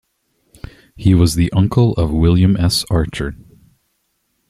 He was the uncle of William S. Archer.